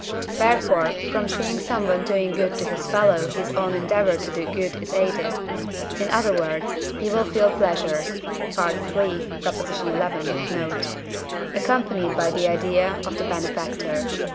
wherefore from seeing someone doing good to his fellow his own endeavour to do good is aided; in other words, he will feel pleasure (III. xi. note) accompanied by the idea of the benefactor.